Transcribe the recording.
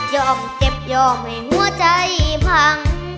เจ็บยอมให้หัวใจพัง